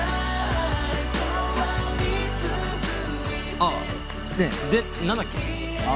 ああで何だっけ？